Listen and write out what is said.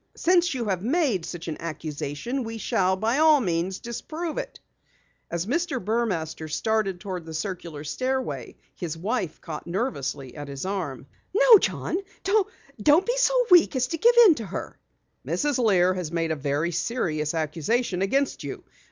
Since you have made such an accusation we shall by all means disprove it." As Mr. Burmaster started toward the circular stairway, his wife caught nervously at his arm. "No, John! Don't be so weak as to give in to her!" "Mrs. Lear has made a very serious accusation against you.